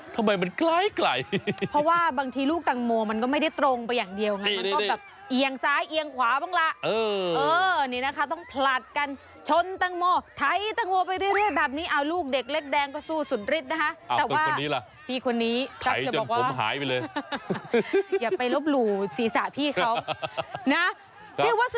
ทำไมมันใกล้ไกลเพราะว่าบางทีลูกตังโมมันก็ไม่ได้ตรงไปอย่างเดียว